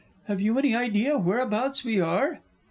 Have you any idea whereabouts we are?